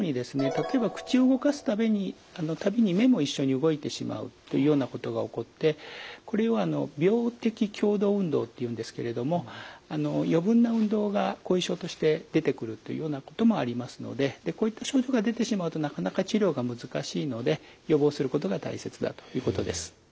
例えば口を動かすたびに目も一緒に動いてしまうというようなことが起こってこれを病的共同運動っていうんですけれども余分な運動が後遺症として出てくるというようなこともありますのででこういった症状が出てしまうとなかなか治療が難しいので予防することが大切だということです。